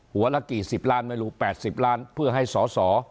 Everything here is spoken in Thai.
หัวละกี่สิบล้านไม่รู้๘๐ล้านเพื่อให้สอสอ